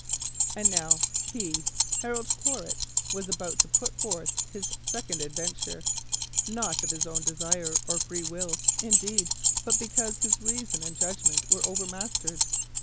And now he, Harold Quaritch, was about to put forth this second venture, not of his own desire or free will indeed, but because his reason and judgment were over mastered.